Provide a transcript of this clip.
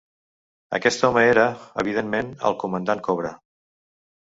Aquest home era, evidentment, el Comandant Cobra.